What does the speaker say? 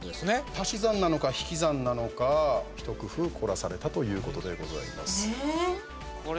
足し算なのか引き算なのか一工夫凝らされたということでございます。